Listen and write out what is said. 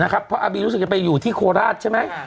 เพราะอาบีรู้สึกจะไปอยู่ที่โคราชใช่ไหม